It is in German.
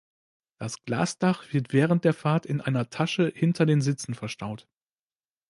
Das Glasdach wird während der Fahrt in einer Tasche hinter den Sitzen verstaut.